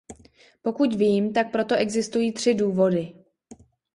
Pokud vím, tak pro to existují tři důvody.